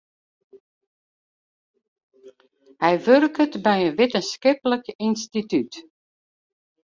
Hy wurket by in wittenskiplik ynstitút.